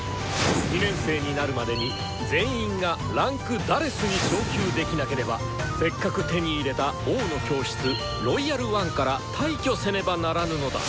２年生になるまでに全員が位階「４」に昇級できなければせっかく手に入れた「王の教室」「ロイヤル・ワン」から退去せねばならぬのだ！